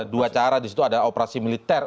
dua cara disitu ada operasi militer